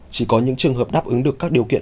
chỉ có những trường hợp đáp ứng được các điều kiện